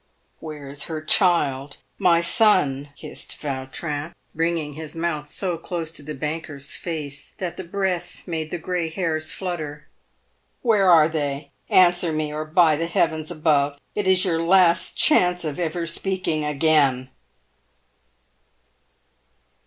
"Where is her child — my son?" hissed Yautrin, bringing his mouth so close to the banker's face that the breath made the grey 404 PAYED WITH GOLD. hairs nutter. " Where are they ? Answer me, or, by the Heavens above ! it is your last chance of ever speaking again."